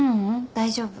大丈夫。